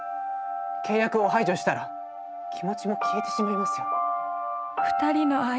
契約を排除したら気持ちも消えてしまいますよ。